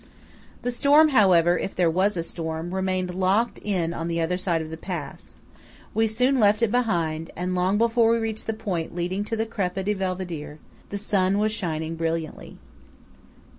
The storm, however, if there was a storm, remained locked in on the other side of the pass. We soon left it behind; and long before we reached the point leading to the Crepa di Belvedere, the sun was shining brilliantly.